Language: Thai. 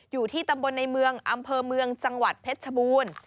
อยู่ที่ตำบลในเมืองอำเภอเมืองจังหวัดเพชรชบูรณ์